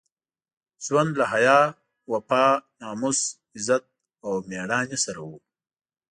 ژوند له حیا، وفا، ناموس، عزت او مېړانې سره وو.